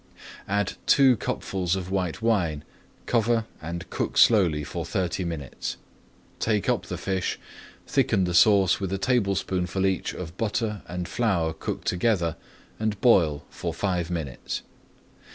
Add two cupfuls of white wine, cover and cook slowly for thirty minutes. Take up the fish, thicken the sauce with a tablespoonful each of butter and flour cooked together, and boil, for five minutes.